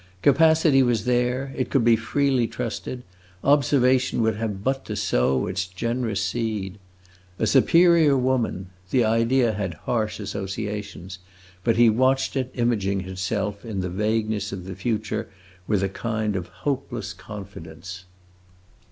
Capacity was there, it could be freely trusted; observation would have but to sow its generous seed. "A superior woman" the idea had harsh associations, but he watched it imaging itself in the vagueness of the future with a kind of hopeless confidence.